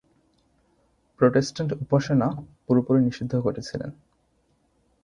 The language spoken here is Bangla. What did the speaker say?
প্রোটেস্ট্যান্ট উপাসনা পুরোপুরি নিষিদ্ধ করেছিলেন।